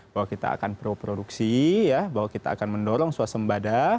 bahwa kita akan pro produksi ya bahwa kita akan mendorong suasembada